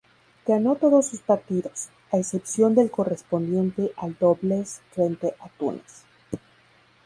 Ganó todos sus partidos, a excepción del correspondiente al dobles frente a Túnez.